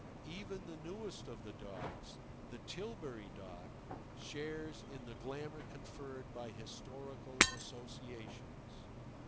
Even the newest of the docks, the Tilbury Dock, shares in the glamour conferred by historical associations.